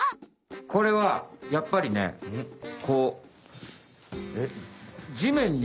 これはやっぱりねこうじめんに。